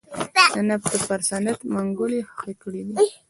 د نفتو پر صنعت منګولې خښې کړې دي.